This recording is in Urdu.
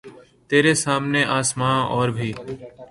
ترے سامنے آسماں اور بھی